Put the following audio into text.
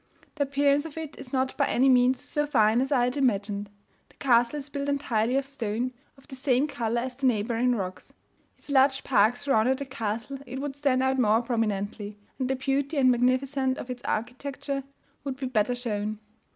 The appearance of it is not by any means so fine as I had imagined. The castle is built entirely of stone, of the same colour as the neighbouring rocks. If a large park surrounded the castle, it would stand out more prominently, and the beauty and magnificence of its architecture would be better shown.